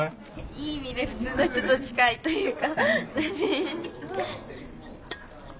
いい意味で普通の人と近いというか。